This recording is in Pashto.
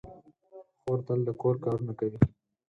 خور تل د کور کارونه کوي.